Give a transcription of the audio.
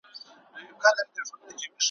داخوشحاله افسانه ده هم تیریږي